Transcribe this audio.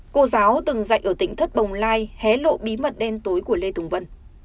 cô giáo từng dạy ở tỉnh thất bồng lai hé lộ bí mật đen tối của lê tùng vân